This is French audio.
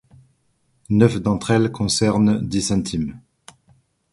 Neuf d'entre elles concernent Dicentim.